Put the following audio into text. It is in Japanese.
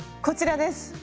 こちらです！